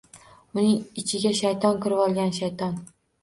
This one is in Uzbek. Uning ichiga shayton kirvolgan shayton